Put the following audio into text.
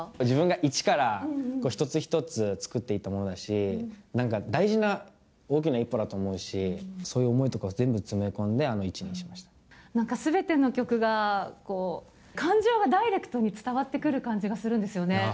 自分が一から一つ一つ作っていったものだし、なんか大事な、大きな一歩だと思うし、そういう思いとか全部詰め込んで、なんかすべての曲が、感情がダイレクトに伝わってくる感じがするんですよね。